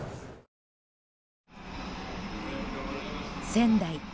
仙台。